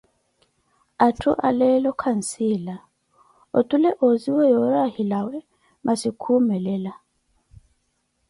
Atthu a leeo kansiila, otule ozziwe yoori ohilawa masi kuumelela.